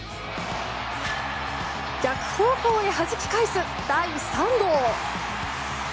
逆方向へはじき返す、第３号。